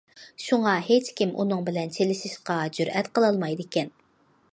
شۇڭا، ھېچكىم ئۇنىڭ بىلەن چېلىشىشقا جۈرئەت قىلالمايدىكەن.